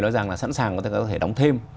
nói rằng là sẵn sàng có thể đóng thêm